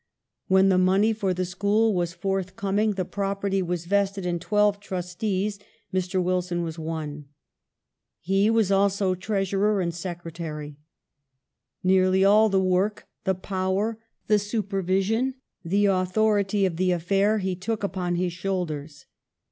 When the money for the school was forthcoming, COWAN'S BRIDGE. 45 the property was vested in twelve trustees ; Mr. Wilson was one. He was also treasurer and secretary. Nearly all the work, the power, the supervision, the authority of the affair, he took upon his shoulders.